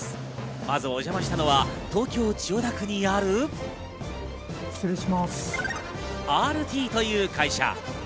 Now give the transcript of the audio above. まずお邪魔したのは東京・千代田区にあるアールティという会社。